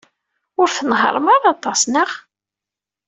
Ur tnehhṛem ara aṭas, naɣ?